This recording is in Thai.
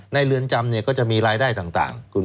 เรือนจำก็จะมีรายได้ต่าง